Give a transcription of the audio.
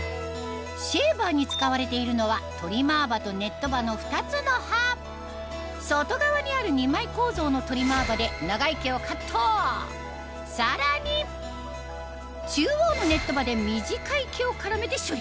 シェーバーに使われているのはの２つの刃外側にある２枚構造のトリマー刃で長い毛をカットさらに中央のネット刃で短い毛を絡めて処理